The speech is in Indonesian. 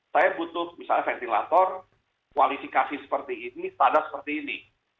saya butuh misalnya ventilator kualifikasi seperti ini standar seperti ini